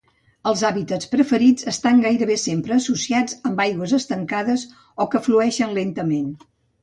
Els habitats preferits estan gairebé sempre associats amb aigües estancades o que flueixen lentament.